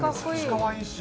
かわいいし。